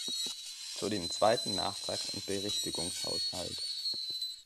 Zu dem zweiten Nachtrags- und Berichtigungshaushalt.